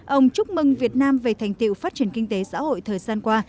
ông chúc mừng việt nam về thành tiệu phát triển kinh tế xã hội thời gian qua